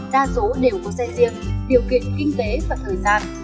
đa số đều có xe riêng điều kiện kinh tế và thời gian